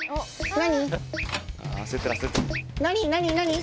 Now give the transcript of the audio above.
何？